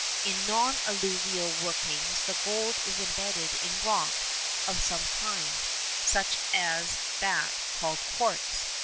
In non alluvial workings the gold is embedded in rock of some kind, such as that called quartz.